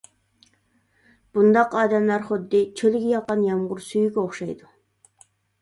بۇنداق ئادەملەر خۇددى چۆلگە ياغقان يامغۇر سۈيىگە ئوخشايدۇ.